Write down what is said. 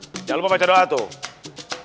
jangan lupa baca doa tuh